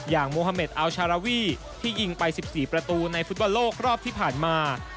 โมฮาเมดอัลชาราวีที่ยิงไป๑๔ประตูในฟุตบอลโลกรอบที่ผ่านมา